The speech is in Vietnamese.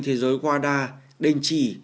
thế giới wada đình chỉ